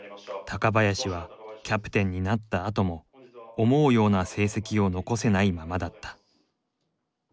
高林はキャプテンになったあとも思うような成績を残せないままだった。